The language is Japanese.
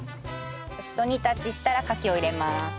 ひと煮立ちしたらカキを入れます。